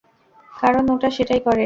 কারণ ওরা সেটাই করে।